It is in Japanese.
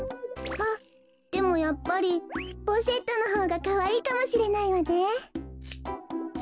あっでもやっぱりポシェットのほうがかわいいかもしれないわね。